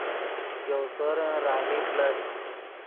ژؤ سورن راہی کڑت